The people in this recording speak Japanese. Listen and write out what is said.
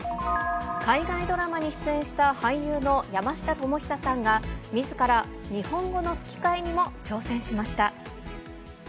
海外ドラマに出演した俳優の山下智久さんが、みずから日本語の吹き替えにも挑戦しました。